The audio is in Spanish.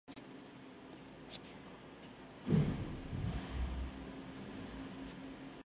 Este supuesto puede no estar garantizado en ciertos contextos.